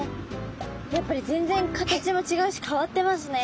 やっぱり全然形も違うし変わってますね。